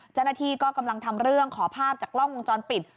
จันทีก็กำลังทำเรื่องขอภาพจากล้องกลงจรปิด